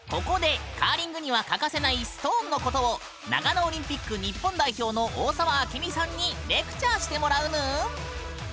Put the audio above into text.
ここでカーリングには欠かせない「ストーン」のことを長野オリンピック日本代表の大澤明美さんにレクチャーしてもらうぬん！